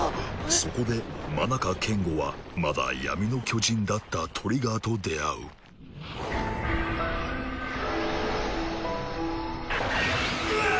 そこでマナカケンゴはまだ闇の巨人だったトリガーと出会ううわっ！